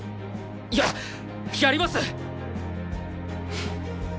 やっやります！